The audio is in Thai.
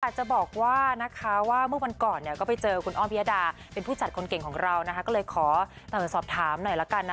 อาจจะบอกว่านะคะว่าเมื่อวันก่อนเนี่ยก็ไปเจอคุณอ้อมพิยดาเป็นผู้จัดคนเก่งของเรานะคะก็เลยขอสอบถามหน่อยละกันนะ